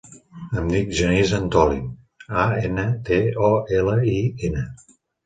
Em dic Genís Antolin: a, ena, te, o, ela, i, ena.